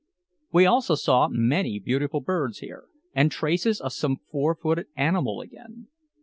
We also saw many beautiful birds here, and traces of some four footed animal again.